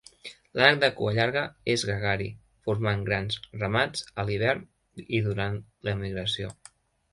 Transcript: L'ànec de cua llarga és gregari, formant grans ramats a l'hivern i durant la migració.